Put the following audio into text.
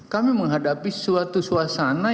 kami menghadapi suatu suasana